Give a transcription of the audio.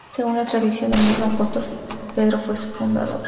Según la tradición, el mismo apóstol Pedro fue su fundador.